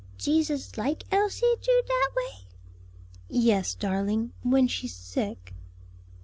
"Jesus like Elsie do dat way?" "Yes, darling, when she's sick."